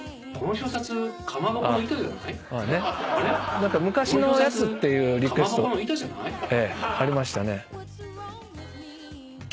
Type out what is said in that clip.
何か昔のやつっていうリクエストありましたね。